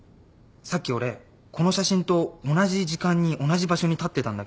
さっき俺この写真と同じ時間に同じ場所に立ってたんだけど。